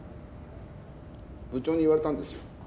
部長に言われたんですよ。